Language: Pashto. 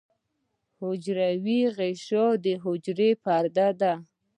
حجروی غشا د حجرې پرده ده